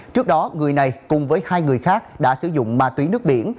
trước đó người này cùng với hai người khác đã sử dụng ma túy nước biển